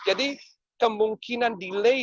jadi kemungkinan delay